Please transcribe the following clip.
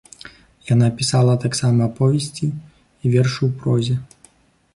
Яна пісала таксама аповесці і вершы ў прозе.